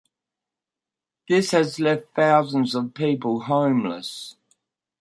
This has left thousands of people homeless.